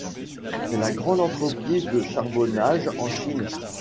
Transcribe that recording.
C'est la grande entreprise de charbonnage en Chine.